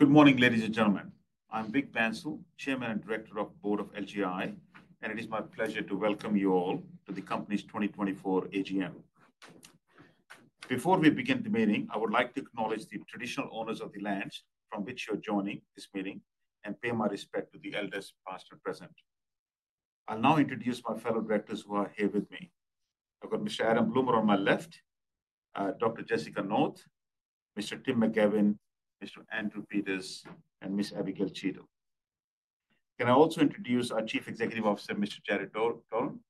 Good morning, ladies and gentlemen. I'm Vik Bansal, Chairman and Director of the Board of LGI, and it is my pleasure to welcome you all to the company's 2024 AGM. Before we begin the meeting, I would like to acknowledge the traditional owners of the lands from which you're joining this meeting and pay my respect to the elders past and present. I'll now introduce my fellow directors who are here with me. I've got Mr. Adam Bloomer on my left, Dr. Jessica North, Mr. Tim McGavin, Mr. Andrew Peters, and Ms. Abigail Cheadle. Can I also introduce our Chief Executive Officer, Mr. Jarryd Doran,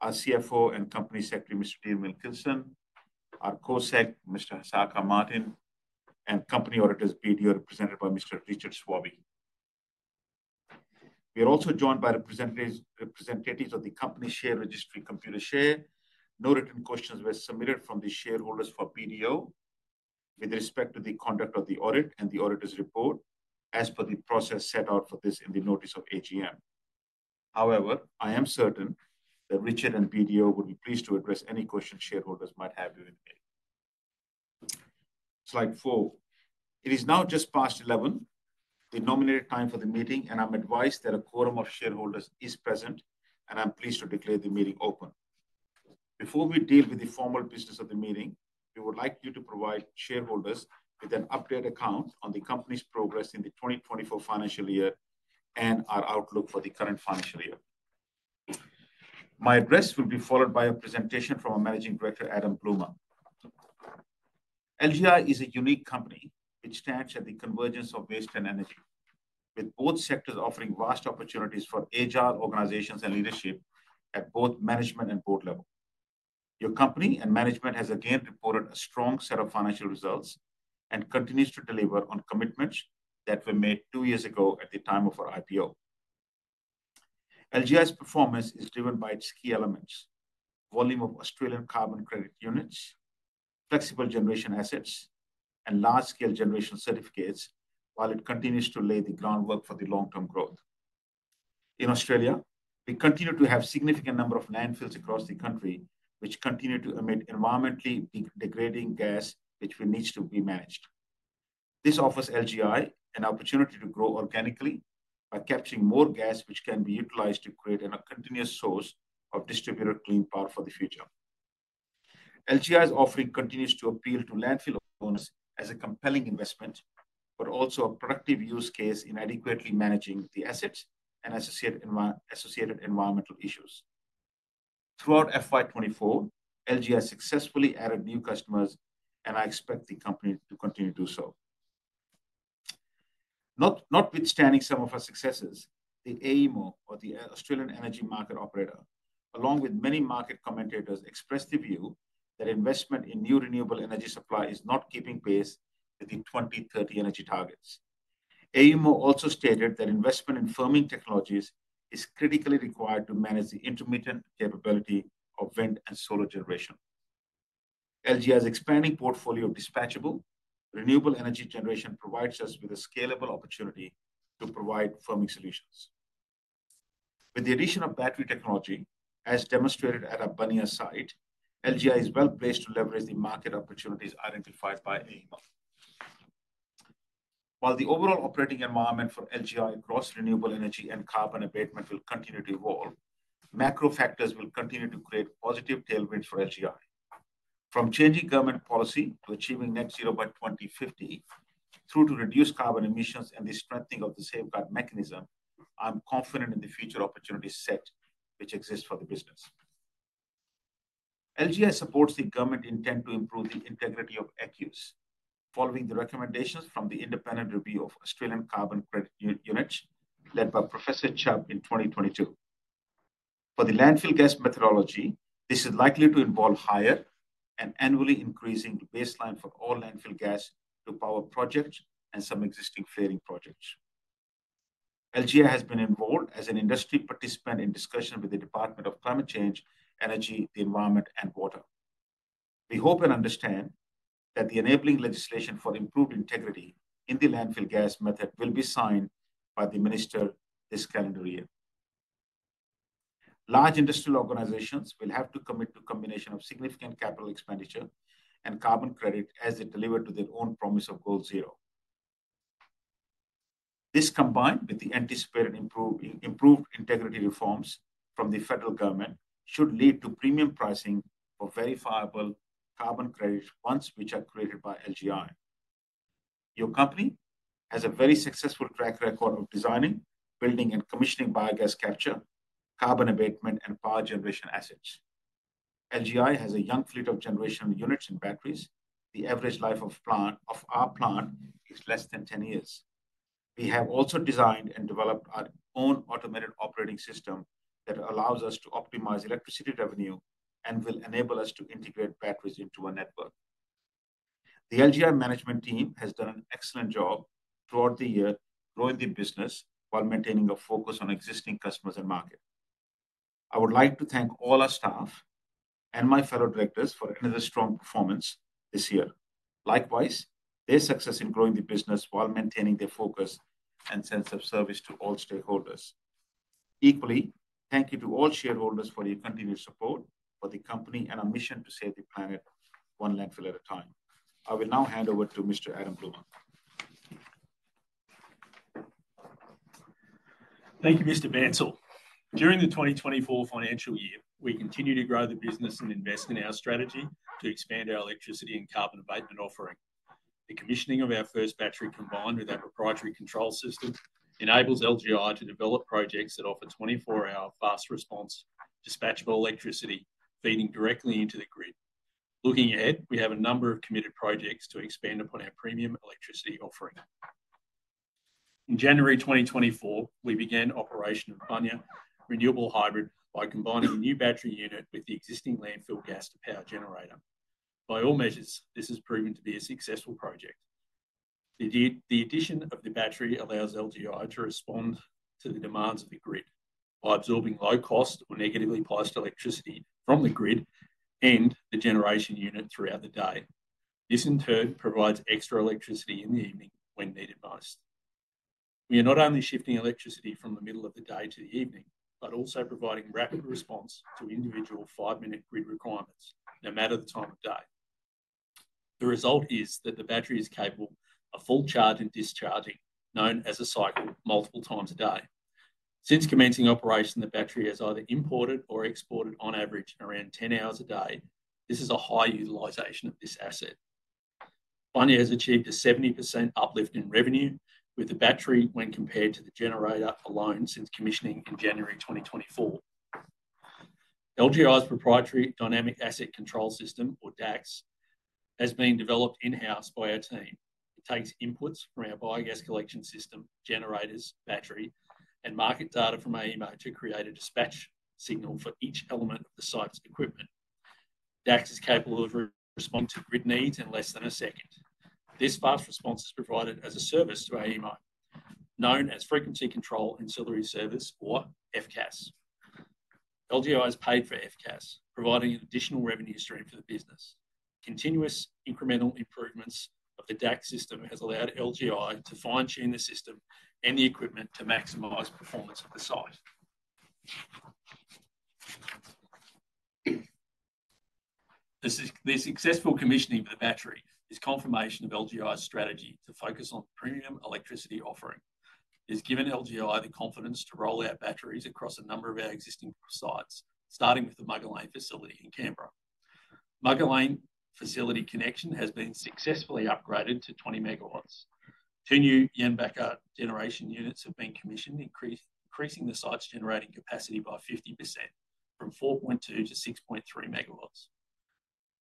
our CFO and Company Secretary, Mr. Dean Wilkinson, our Co-Sec, Mr. Hasaka Martin, and Company Auditors, BDO, represented by Mr. Richard Swaby. We are also joined by representatives of the Company Share Registry Computershare. No written questions were submitted from the shareholders for BDO with respect to the conduct of the audit and the auditor's report as per the process set out for this in the Notice of AGM. However, I am certain that Richard and BDO would be pleased to address any questions shareholders might have during the meeting. Slide four. It is now just past 11:00 A.M., the nominated time for the meeting, and I'm advised that a quorum of shareholders is present, and I'm pleased to declare the meeting open. Before we deal with the formal business of the meeting, we would like you to provide shareholders with an updated account on the company's progress in the 2024 financial year and our outlook for the current financial year. My address will be followed by a presentation from our Managing Director, Adam Bloomer. LGI is a unique company which stands at the convergence of waste and energy, with both sectors offering vast opportunities for agile organizations and leadership at both management and board level. Your company and management has again reported a strong set of financial results and continues to deliver on commitments that were made two years ago at the time of our IPO. LGI's performance is driven by its key elements: volume of Australian Carbon Credit Units, flexible generation assets, and large-scale generation certificates, while it continues to lay the groundwork for the long-term growth. In Australia, we continue to have a significant number of landfills across the country which continue to emit environmentally degrading gas which needs to be managed. This offers LGI an opportunity to grow organically by capturing more gas which can be utilized to create a continuous source of distributed clean power for the future. LGI's offering continues to appeal to landfill owners as a compelling investment, but also a productive use case in adequately managing the assets and associated environmental issues. Throughout FY 2024, LGI successfully added new customers, and I expect the company to continue to do so. Notwithstanding some of our successes, the AEMO, or the Australian Energy Market Operator, along with many market commentators, expressed the view that investment in new renewable energy supply is not keeping pace with the 2030 energy targets. AEMO also stated that investment in firming technologies is critically required to manage the intermittent capability of wind and solar generation. LGI's expanding portfolio of dispatchable renewable energy generation provides us with a scalable opportunity to provide firming solutions. With the addition of battery technology, as demonstrated at our Bunya site, LGI is well placed to leverage the market opportunities identified by AEMO. While the overall operating environment for LGI across renewable energy and carbon abatement will continue to evolve, macro factors will continue to create positive tailwinds for LGI. From changing government policy to achieving net zero by 2050, through to reduced carbon emissions and the strengthening of the safeguard mechanism, I'm confident in the future opportunities set which exist for the business. LGI supports the government intent to improve the integrity of ACCUs, following the recommendations from the Independent Review of Australian Carbon Credit Units, led by Professor Chubb in 2022. For the landfill gas methodology, this is likely to involve higher and annually increasing the baseline for all landfill gas to power projects and some existing flaring projects. LGI has been involved as an industry participant in discussions with the Department of Climate Change, Energy, the Environment, and Water. We hope and understand that the enabling legislation for improved integrity in the landfill gas method will be signed by the minister this calendar year. Large industrial organizations will have to commit to a combination of significant capital expenditure and carbon credit as they deliver to their own promise of goal zero. This combined with the anticipated improved integrity reforms from the federal government should lead to premium pricing for verifiable carbon credit funds which are created by LGI. Your company has a very successful track record of designing, building, and commissioning biogas capture, carbon abatement, and power generation assets. LGI has a young fleet of generation units and batteries. The average life of our plant is less than 10 years. We have also designed and developed our own automated operating system that allows us to optimize electricity revenue and will enable us to integrate batteries into our network. The LGI management team has done an excellent job throughout the year, growing the business while maintaining a focus on existing customers and market. I would like to thank all our staff and my fellow directors for another strong performance this year. Likewise, their success in growing the business while maintaining their focus and sense of service to all stakeholders. Equally, thank you to all shareholders for your continued support for the company and our mission to save the planet one landfill at a time. I will now hand over to Mr. Adam Bloomer. Thank you, Mr. Bansal. During the 2024 financial year, we continue to grow the business and invest in our strategy to expand our electricity and carbon abatement offering. The commissioning of our first battery, combined with our proprietary control system, enables LGI to develop projects that offer 24-hour fast response dispatchable electricity feeding directly into the grid. Looking ahead, we have a number of committed projects to expand upon our premium electricity offering. In January 2024, we began operation of Bunya Renewable Hybrid by combining a new battery unit with the existing landfill gas to power generator. By all measures, this has proven to be a successful project. The addition of the battery allows LGI to respond to the demands of the grid by absorbing low-cost or negatively priced electricity from the grid and the generation unit throughout the day. This, in turn, provides extra electricity in the evening when needed most. We are not only shifting electricity from the middle of the day to the evening, but also providing rapid response to individual five-minute grid requirements, no matter the time of day. The result is that the battery is capable of full charge and discharging, known as a cycle, multiple times a day. Since commencing operation, the battery has either imported or exported on average around 10 hours a day. This is a high utilization of this asset. Bunya has achieved a 70% uplift in revenue with the battery when compared to the generator alone since commissioning in January 2024. LGI's proprietary Dynamic Asset Control System, or DACS, has been developed in-house by our team. It takes inputs from our biogas collection system, generators, battery, and market data from AEMO to create a dispatch signal for each element of the site's equipment. DACS is capable of responding to grid needs in less than a second. This fast response is provided as a service to AEMO, known as Frequency Control Ancillary Service, or FCAS. LGI has paid for FCAS, providing an additional revenue stream for the business. Continuous incremental improvements of the DACS system have allowed LGI to fine-tune the system and the equipment to maximize performance of the site. The successful commissioning of the battery is confirmation of LGI's strategy to focus on premium electricity offering. It has given LGI the confidence to roll out batteries across a number of our existing sites, starting with the Mugga Lane facility in Canberra. Mugga Lane facility connection has been successfully upgraded to 20 MW. Two new Jenbacher generation units have been commissioned, increasing the site's generating capacity by 50% from 4.2 to 6.3 MW.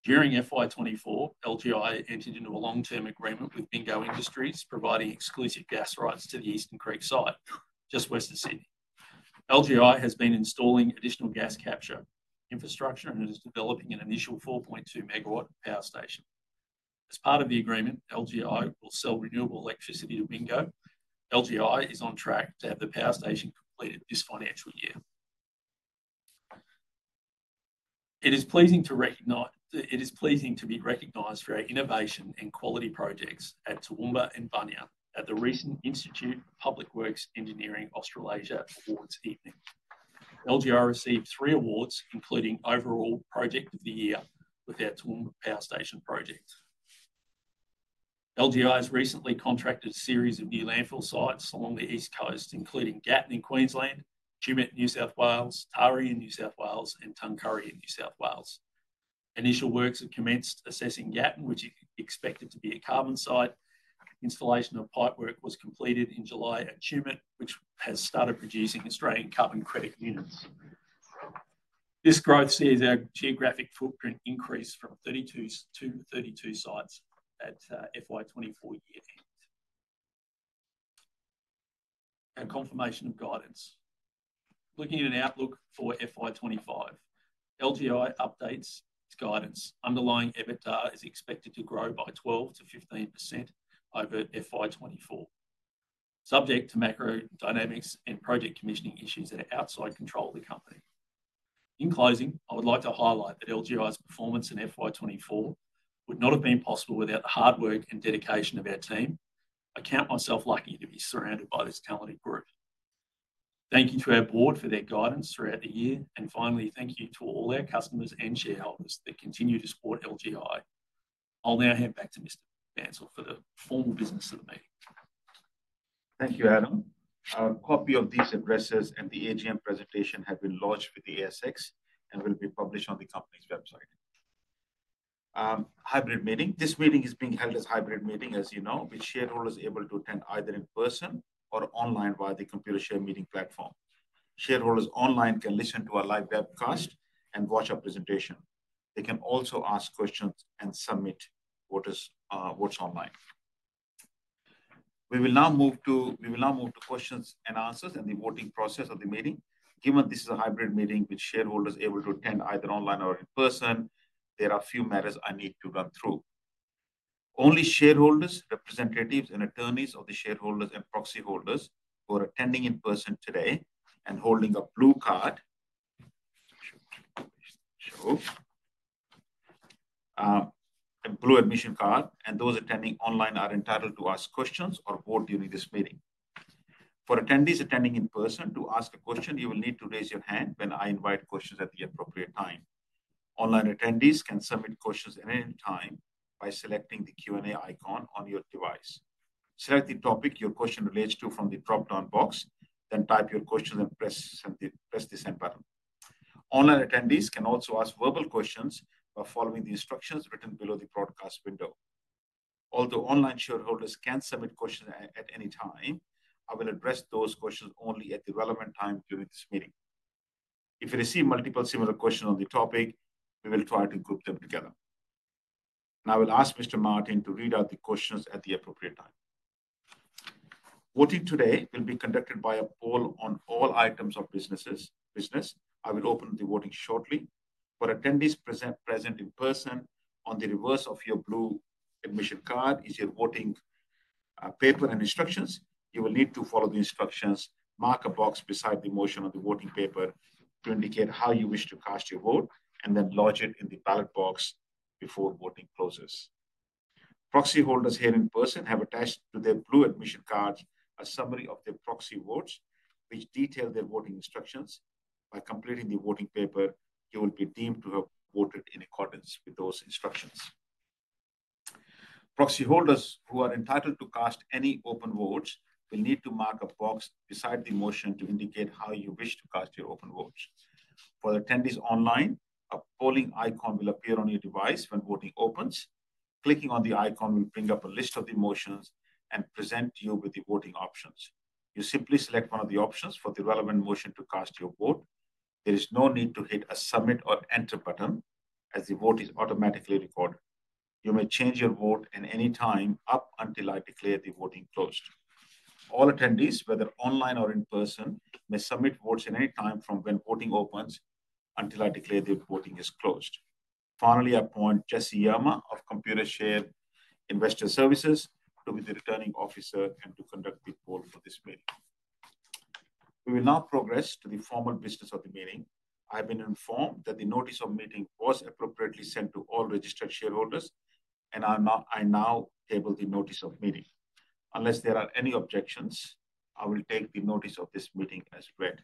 During FY 2024, LGI entered into a long-term agreement with Bingo Industries, providing exclusive gas rights to the Eastern Creek site, just west of Sydney. LGI has been installing additional gas capture infrastructure and is developing an initial 4.2 MW power station. As part of the agreement, LGI will sell renewable electricity to Bingo. LGI is on track to have the power station completed this financial year. It is pleasing to be recognized for our innovation and quality projects at Toowoomba and Bunya at the recent Institute of Public Works Engineering Australasia Awards Evening. LGI received three awards, including Overall Project of the Year with our Toowoomba power station project. LGI has recently contracted a series of new landfill sites along the East Coast, including Gatton in Queensland, Tumut, New South Wales, Taree in New South Wales, and Tuncurry in New South Wales. Initial works have commenced, assessing Gatton, which is expected to be a carbon site. Installation of pipework was completed in July at Tumut, which has started producing Australian Carbon Credit Units. This growth sees our geographic footprint increase from [32s] to 32 sites at FY 2024 year-end and confirmation of guidance. Looking at an outlook for FY 2025, LGI updates its guidance. Underlying EBITDA is expected to grow by 12%-15% over FY 2024, subject to macro dynamics and project commissioning issues that are outside control of the company. In closing, I would like to highlight that LGI's performance in FY 2024 would not have been possible without the hard work and dedication of our team. I count myself lucky to be surrounded by this talented group. Thank you to our board for their guidance throughout the year. And finally, thank you to all our customers and shareholders that continue to support LGI. I'll now hand back to Mr. Bansal for the formal business of the meeting. Thank you, Adam. A copy of these addresses and the AGM presentation have been launched with the ASX and will be published on the company's website. Hybrid meeting. This meeting is being held as a hybrid meeting, as you know, with shareholders able to attend either in person or online via the Computershare meeting platform. Shareholders online can listen to our live webcast and watch our presentation. They can also ask questions and submit votes online. We will now move to questions and answers and the voting process of the meeting. Given this is a hybrid meeting with shareholders able to attend either online or in person, there are a few matters I need to run through. Only shareholders, representatives, and attorneys of the shareholders and proxy holders who are attending in person today and holding a blue card and blue admission card, and those attending online are entitled to ask questions or vote during this meeting. For attendees attending in person to ask a question, you will need to raise your hand when I invite questions at the appropriate time. Online attendees can submit questions at any time by selecting the Q&A icon on your device. Select the topic your question relates to from the drop-down box, then type your question and press the send button. Online attendees can also ask verbal questions by following the instructions written below the broadcast window. Although online shareholders can submit questions at any time, I will address those questions only at the relevant time during this meeting. If you receive multiple similar questions on the topic, we will try to group them together, and I will ask Mr. Martin to read out the questions at the appropriate time. Voting today will be conducted by a poll on all items of business. I will open the voting shortly. For attendees present in person, on the reverse of your blue admission card is your voting paper and instructions. You will need to follow the instructions, mark a box beside the motion on the voting paper to indicate how you wish to cast your vote, and then lodge it in the ballot box before voting closes. Proxy holders here in person have attached to their blue admission cards a summary of their proxy votes, which detail their voting instructions. By completing the voting paper, you will be deemed to have voted in accordance with those instructions. Proxy holders who are entitled to cast any open votes will need to mark a box beside the motion to indicate how you wish to cast your open votes. For attendees online, a polling icon will appear on your device when voting opens. Clicking on the icon will bring up a list of the motions and present you with the voting options. You simply select one of the options for the relevant motion to cast your vote. There is no need to hit a submit or enter button, as the vote is automatically recorded. You may change your vote at any time up until I declare the voting closed. All attendees, whether online or in person, may submit votes at any time from when voting opens until I declare the voting is closed. Finally, I appoint Jessie Yerma of Computershare Investor Services to be the returning officer and to conduct the poll for this meeting. We will now progress to the formal business of the meeting. I have been informed that the notice of meeting was appropriately sent to all registered shareholders, and I now table the notice of meeting. Unless there are any objections, I will take the notice of this meeting as read.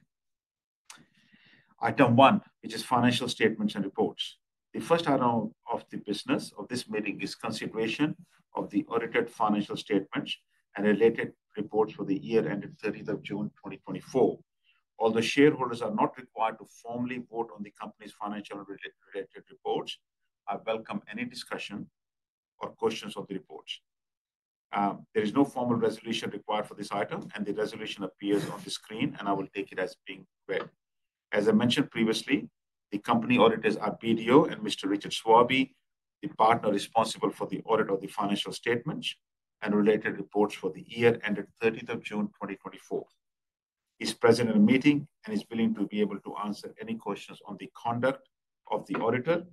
Item one, which is financial statements and reports. The first item of the business of this meeting is consideration of the audited financial statements and related reports for the year ended 30th of June 2024. Although shareholders are not required to formally vote on the company's financial related reports, I welcome any discussion or questions on the reports. There is no formal resolution required for this item, and the resolution appears on the screen, and I will take it as being read. As I mentioned previously, the company auditors are BDO and Mr. Richard Swaby, the partner responsible for the audit of the financial statements and related reports for the year ended 30th of June 2024. He's present in the meeting and is willing to be able to answer any questions on the conduct of the auditor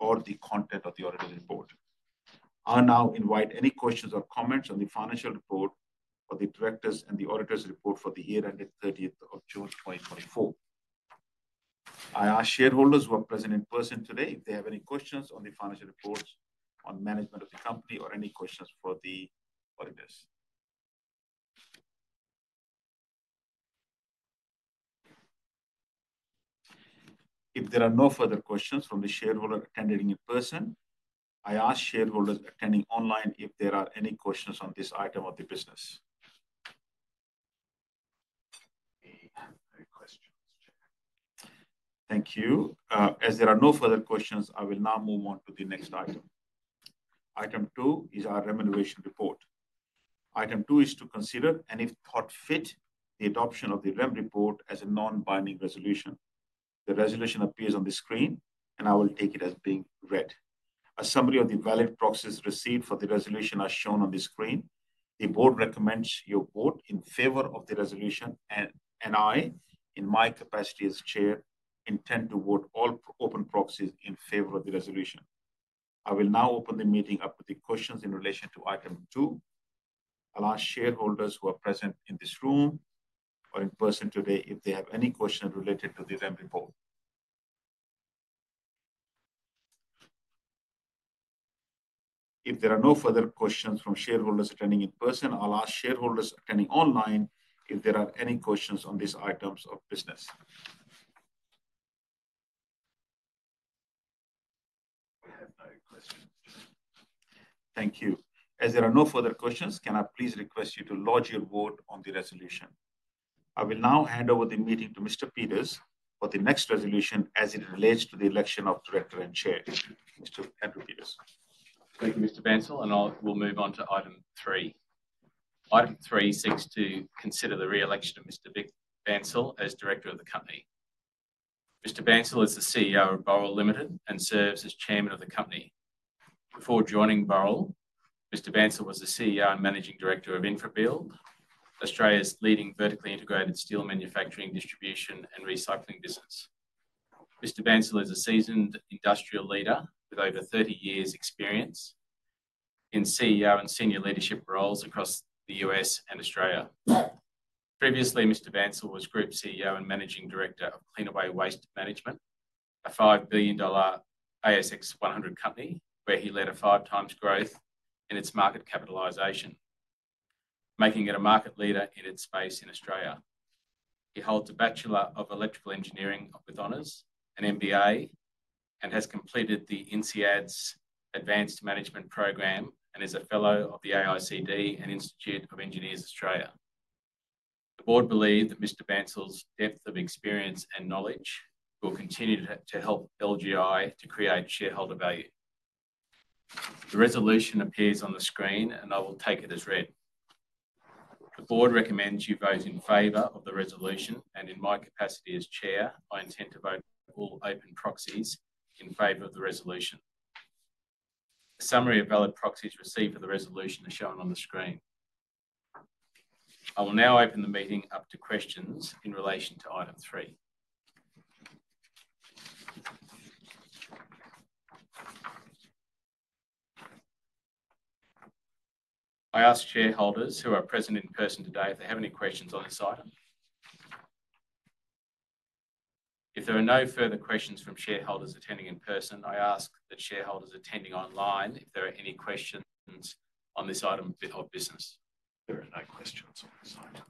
or the content of the auditor's report. I now invite any questions or comments on the financial report for the directors and the auditor's report for the year ended 30th of June 2024. I ask shareholders who are present in person today if they have any questions on the financial reports, on management of the company, or any questions for the auditors. If there are no further questions from the shareholder attending in person, I ask shareholders attending online if there are any questions on this item of the business. Thank you. As there are no further questions, I will now move on to the next item. Item two is our remuneration report. Item two is to consider and, if thought fit, the adoption of the remuneration report as a non-binding resolution. The resolution appears on the screen, and I will take it as being read. A summary of the valid proxies received for the resolution is shown on the screen. The board recommends your vote in favor of the resolution, and I, in my capacity as chair, intend to vote all open proxies in favor of the resolution. I will now open the meeting up to the questions in relation to item two. I'll ask shareholders who are present in this room or in person today if they have any questions related to the REM report. If there are no further questions from shareholders attending in person, I'll ask shareholders attending online if there are any questions on these items of business. Thank you. As there are no further questions, can I please request you to lodge your vote on the resolution? I will now hand over the meeting to Mr. Peters for the next resolution as it relates to the election of director and chair. Mr. Andrew Peters. Thank you, Mr. Bansal, and we'll move on to item three. Item three seeks to consider the re-election of Mr. Bansal as director of the company. Mr. Bansal is the CEO of Boral Limited and serves as chairman of the company. Before joining Boral, Mr. Bansal was the CEO and managing director of Infrabuild, Australia's leading vertically integrated steel manufacturing, distribution, and recycling business. Mr. Bansal is a seasoned industrial leader with over 30 years' experience in CEO and senior leadership roles across the U.S. and Australia. Previously, Mr. Bansal was group CEO and managing director of Cleanaway Waste Management, an 5 billion dollar ASX 100 company where he led a five-times growth in its market capitalization, making it a market leader in its space in Australia. He holds a Bachelor of Electrical Engineering with Honors, an MBA, and has completed the INSEAD Advanced Management Program and is a fellow of the AICD and Institute of Engineers Australia. The board believes that Mr. Bansal's depth of experience and knowledge will continue to help LGI to create shareholder value. The resolution appears on the screen, and I will take it as read. The board recommends you vote in favor of the resolution, and in my capacity as chair, I intend to vote all open proxies in favor of the resolution. A summary of valid proxies received for the resolution is shown on the screen. I will now open the meeting up to questions in relation to item three. I ask shareholders who are present in person today if they have any questions on this item. If there are no further questions from shareholders attending in person, I ask that shareholders attending online if there are any questions on this item of business. There are no questions on this item.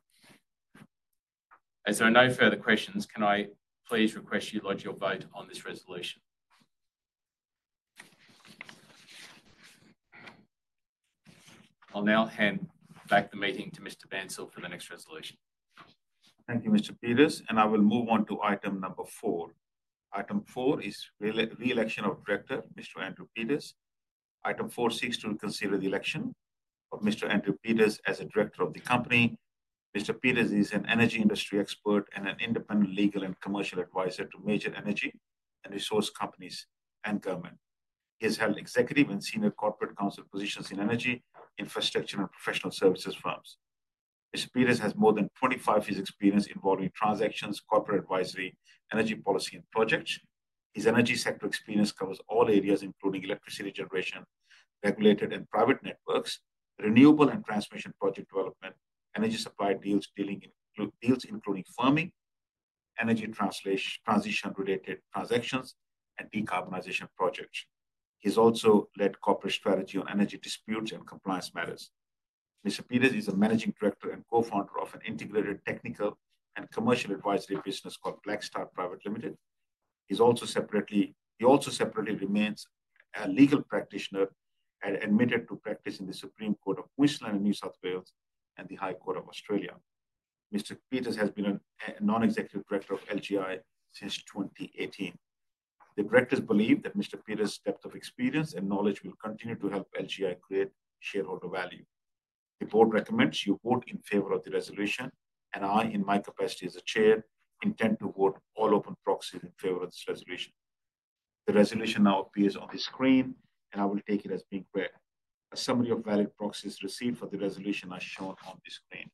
As there are no further questions, can I please request you lodge your vote on this resolution? I'll now hand back the meeting to Mr. Bansal for the next resolution. Thank you, Mr. Peters, and I will move on to item number four. Item four is re-election of director, Mr. Andrew Peters. Item four seeks to consider the election of Mr. Andrew Peters as a director of the company. Mr. Peters is an energy industry expert and an independent legal and commercial advisor to major energy and resource companies and government. He has held executive and senior corporate counsel positions in energy, infrastructure, and professional services firms. Mr. Peters has more than 25 years' experience involving transactions, corporate advisory, energy policy, and projects. His energy sector experience covers all areas, including electricity generation, regulated and private networks, renewable and transmission project development, energy supply deals, deals including firming, energy transition-related transactions, and decarbonization projects. He's also led corporate strategy on energy disputes and compliance matters. Mr. Peters is a managing director and co-founder of an integrated technical and commercial advisory business called Blackstart Private Ltd. He also separately remains a legal practitioner and admitted to practice in the Supreme Court of Queensland and New South Wales and the High Court of Australia. Mr. Peters has been a non-executive director of LGI since 2018. The directors believe that Mr. Peters' depth of experience and knowledge will continue to help LGI create shareholder value. The board recommends you vote in favor of the resolution, and I, in my capacity as a chair, intend to vote all open proxies in favor of this resolution. The resolution now appears on the screen, and I will take it as being read. A summary of valid proxies received for the resolution is shown on the screen.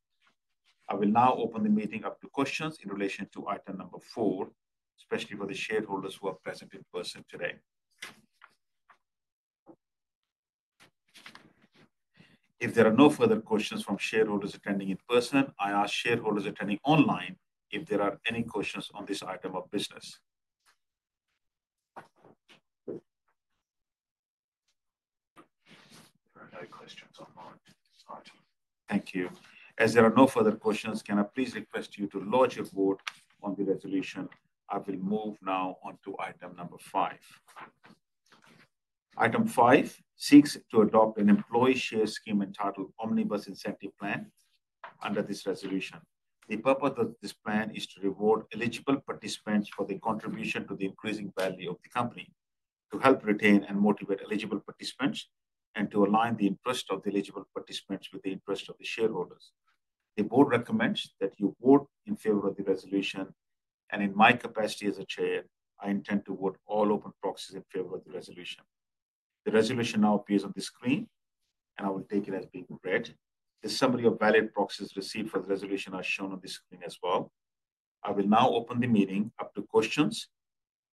I will now open the meeting up to questions in relation to item number four, especially for the shareholders who are present in person today. If there are no further questions from shareholders attending in person, I ask shareholders attending online if there are any questions on this item of business. Thank you. As there are no further questions, can I please request you to lodge your vote on the resolution? I will move now on to item number five. Item five seeks to adopt an employee share scheme entitled Omnibus Incentive Plan under this resolution. The purpose of this plan is to reward eligible participants for their contribution to the increasing value of the company, to help retain and motivate eligible participants, and to align the interest of the eligible participants with the interest of the shareholders. The board recommends that you vote in favor of the resolution, and in my capacity as a chair, I intend to vote all open proxies in favor of the resolution. The resolution now appears on the screen, and I will take it as being read. The summary of valid proxies received for the resolution is shown on the screen as well. I will now open the meeting up to questions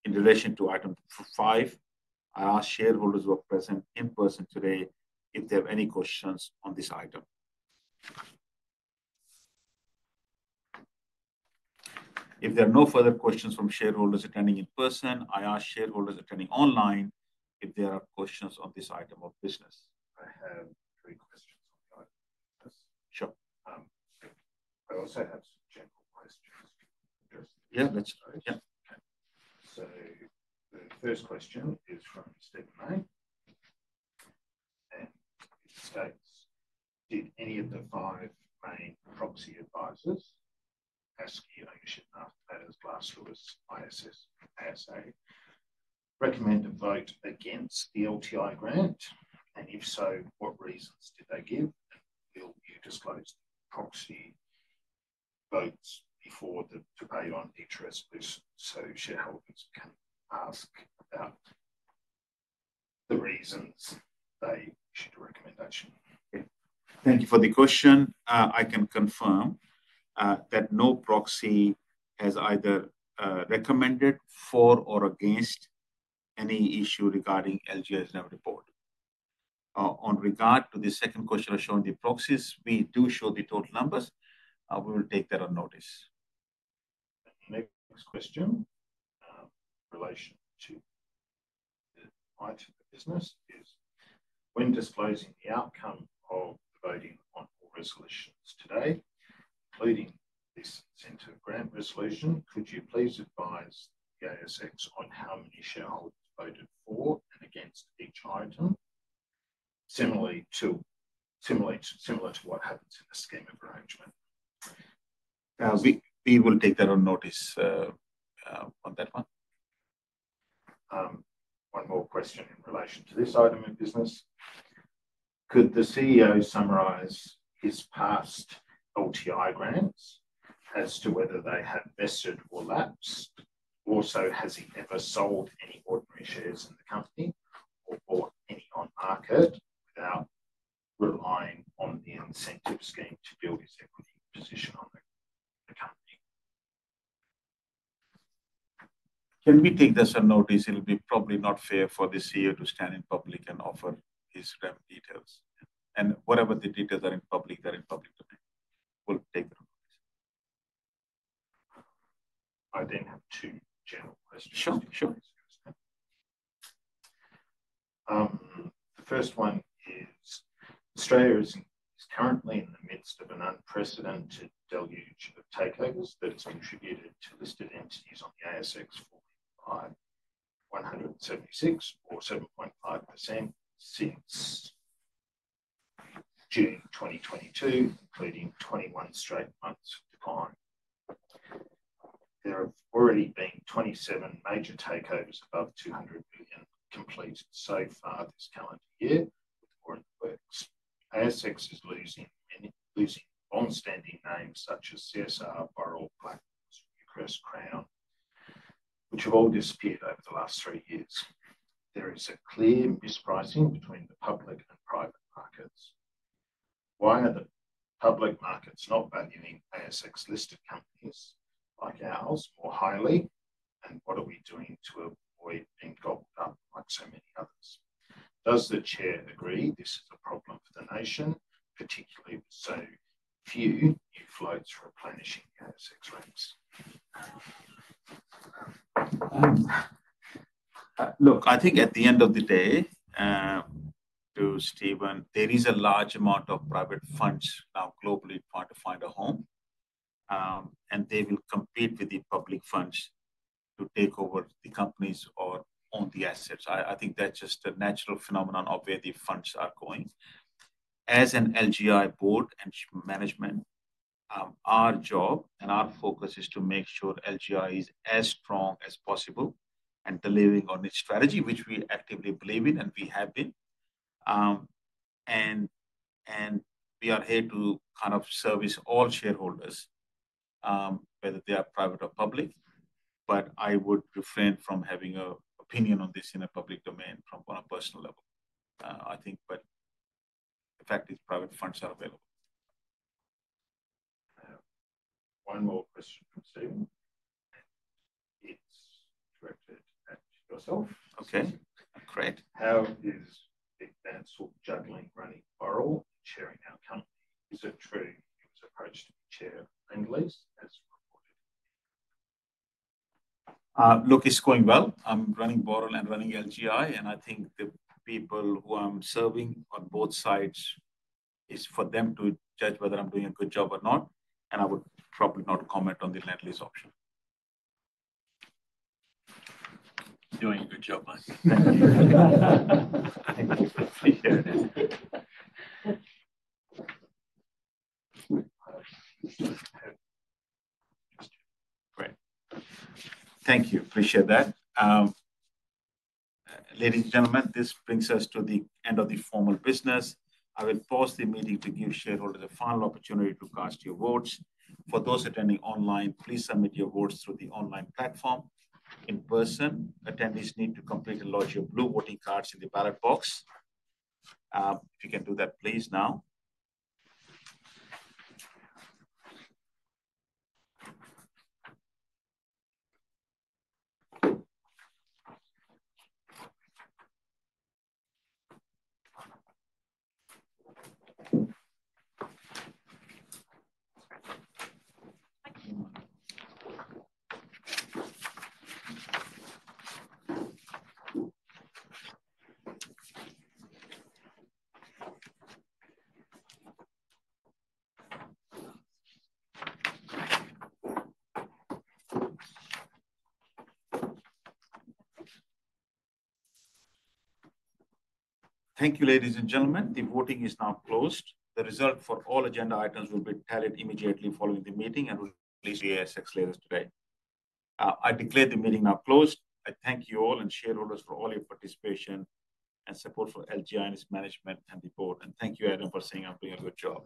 in relation to item five. I ask shareholders who are present in person today if they have any questions on this item. If there are no further questions from shareholders attending in person, I ask shareholders attending online if there are questions on this item of business. Sure. Yeah, that's all right. The first question is from and it states, "Did any of the five main proxy advisors, ISS, ASA, recommend a vote against the LTI grant? And if so, what reasons did they give? And will you disclose proxy votes before the debate on interest?" So shareholders. Thank you for the question. I can confirm that no proxy has either recommended for or against any issue regarding LGI's report. In regard to the second question of showing the proxies, we do show the total numbers. We will take that on notice. Next question in relation to the item of business is, "When disclosing the outcome of voting on all resolutions today, including this center grant resolution, could you please advise the on how many shareholders voted for and against each item, similar to what happens in a scheme of arrangement? We will take that on notice on that one. One more question in relation to this item of business. Could the CEO summarize his past LTI grants as to whether they have vested or lapsed? Also, has he ever sold any ordinary shares in the company on market without relying on the incentive scheme to build his equity position? Can we take this on notice? It will be probably not fair for the CEO to stand in public and offer his remuneration details, and whatever the details are in public, they're in public today. We'll take that on notice. Sure, sure. The first one is, "Australia is currently in the midst of an unprecedented deluge of takeovers that has contributed to listed entities on the ASX, [76], or 7.5% since June 2022, including 21 straight. There have already been 27 major takeovers above 200 million completed so far this calendar year, with more in the works. ASX is losing long-standing names such as CSR, which have all disappeared over the last three years. There is a clear mispricing between the public and private markets. Why are the public markets not valuing ASX-listed companies like ours more highly, and what are we doing to avoid being gobbled up like so many others? Does the chair agree this is a problem for the nation, particularly with so few new floats replenishing? Look, I think at the end of the day, to Steven, there is a large amount of private funds now globally trying to find a home, and they will compete with the public funds to take over the companies or own the assets. I think that's just a natural phenomenon of where the funds are going. As an LGI board and management, our job and our focus is to make sure LGI is as strong as possible and delivering on its strategy, which we actively believe in and we have been. And we are here to kind of service all shareholders, whether they are private or public. But I would refrain from having an opinion on this in a public domain from a personal level, I think. But the fact is private funds are available. One more question. Okay. Great. How is Vik Bansal juggling running Boral and chairing our company? Is it true he was approached to chair Lendlease as reported? Look, it's going well. I'm running Boral and running LGI, and I think the people who I'm serving on both sides is for them to judge whether I'm doing a good job or not, and I would probably not comment on the Lendlease option. Doing a good job. Great. Thank you. Appreciate that. Ladies and gentlemen, this brings us to the end of the formal business. I will pause the meeting to give shareholders a final opportunity to cast your votes. For those attending online, please submit your votes through the online platform. In person, attendees need to complete and lodge your blue voting cards in the ballot box. If you can do that, please now. Thank you, ladies and gentlemen. The voting is now closed. The result for all agenda items will be tallied immediately following the meeting and will be released to the ASX later today. I declare the meeting now closed. I thank you all, shareholders, for all your participation and support for LGI and its management and the board, and thank you, Adam, for signing up. Been a good job.